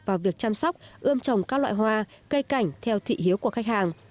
vào việc chăm sóc ươm trồng các loại hoa cây cảnh theo thị hiếu của khách hàng